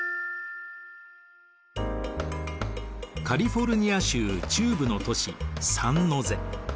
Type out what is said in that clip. カリフォルニア州中部の都市サンノゼ。